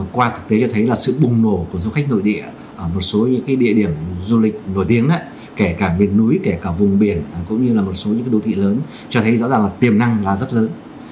qua thực tế cho thấy là sự bùng nổ của du khách nội địa ở một số những địa điểm du lịch nổi tiếng kể cả miền núi kể cả vùng biển cũng như là một số những đô thị lớn cho thấy rõ ràng là tiềm năng là rất lớn